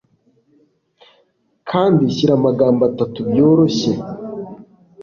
kandi shyira amagambo atatu byoroshye